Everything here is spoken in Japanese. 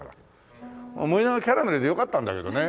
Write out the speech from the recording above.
森永キャラメルでよかったんだけどね。